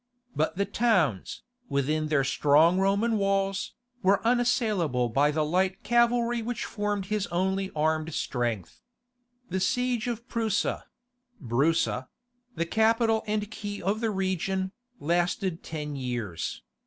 But the towns, within their strong Roman walls, were unassailable by the light cavalry which formed his only armed strength. The siege of Prusa [Broussa], the capital and key of the region, lasted ten years.